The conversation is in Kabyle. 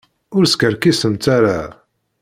Ur skerkisemt ara.